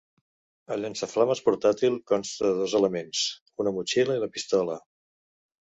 El llançaflames portàtil consta de dos elements: una motxilla i la pistola.